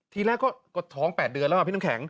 ทีแรกก็ท้อง๘เดือนแล้วพี่น้ำแข็ง